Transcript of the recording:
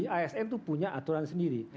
menteri agama itu punya aturan sendiri